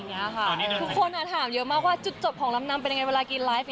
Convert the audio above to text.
ทุกคนถามเยอะมากว่าจุดจบของลำนำเป็นยังไงเวลากินไลฟ์